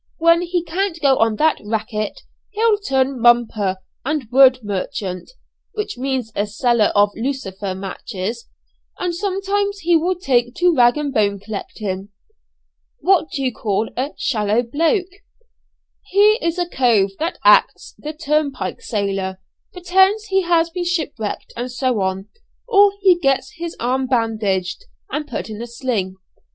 When he can't go on that 'racket,' he'll turn 'mumper' and wood merchant (which means a seller of lucifer matches); and sometimes he will take to rag and bone collecting." Sentenced. Policemen. Shirts. "What do you call a 'shallow bloke?'" "He is a cove that acts the turnpike sailor; pretends he has been shipwrecked, and so on, or he gets his arm bandaged, and put in a sling.